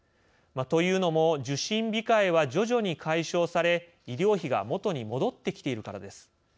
というのも、受診控えは徐々に解消され医療費が元に戻ってきているからです。